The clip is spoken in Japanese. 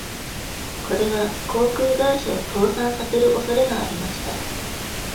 これは航空会社を倒産させる恐れがありました。